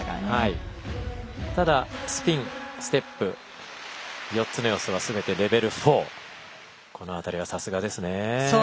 ただスピン、ステップ４つの要素はすべてレベル４この辺りは、さすがですね。